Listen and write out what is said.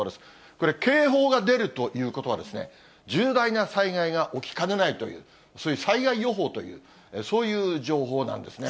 これ、警報が出るということは、重大な災害が起きかねないという、災害予報という、そういう情報なんですね。